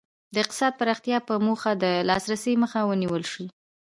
د اقتصادي پراختیا په موخه د لاسرسي مخه ونیول شي.